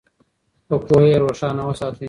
په پوهه یې روښانه وساتئ.